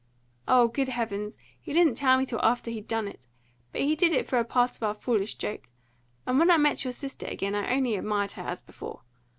"Oh, good heavens! He didn't tell me till after he'd done it. But he did it for a part of our foolish joke. And when I met your sister again, I only admired her as before.